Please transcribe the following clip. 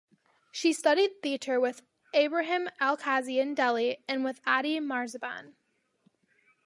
She studied theatre with Ebrahim Alkazi in Delhi and with Adi Marzban.